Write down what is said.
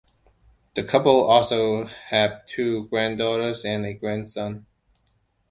The couple also have two granddaughters and a grandson.